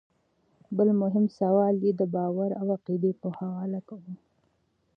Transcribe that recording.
بل مهم سوال ئې د باور او عقيدې پۀ حواله وۀ